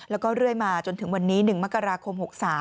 แล้วก็เรื่อยมาจนถึงวันนี้๑มกราคม๖๓